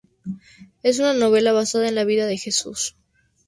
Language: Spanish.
Es una novela basada en la vida de Jesús.